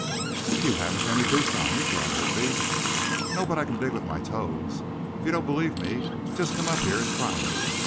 "You haven't any boots on. You can't hurt me." "No, but I can dig with my toes. If you don't believe me just come up here and try me.